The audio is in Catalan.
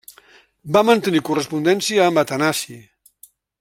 Va mantenir correspondència amb Atanasi.